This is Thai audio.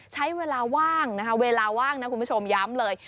ใช้เวลาว่างนะคุณผู้ชมย้ำเลย